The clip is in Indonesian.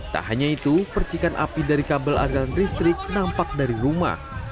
tak hanya itu percikan api dari kabel aliran listrik nampak dari rumah